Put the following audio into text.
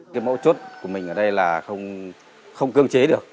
cái mẫu chốt của mình ở đây là không cưỡng chế được